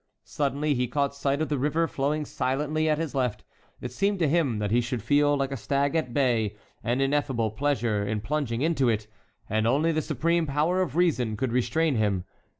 Suddenly he caught sight of the river flowing silently at his left; it seemed to him that he should feel, like a stag at bay, an ineffable pleasure in plunging into it, and only the supreme power of reason could restrain him.